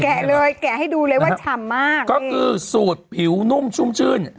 เลยแกะให้ดูเลยว่าฉ่ำมากก็คือสูตรผิวนุ่มชุ่มชื่น